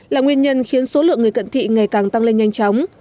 là nguyên nhân khiến số lượng người cận thị ngày càng tăng lên nhanh chóng